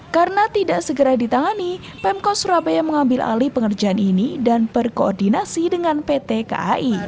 karena tidak segera ditangani pemkos surabaya mengambil alih pengerjaan ini dan berkoordinasi dengan pt kai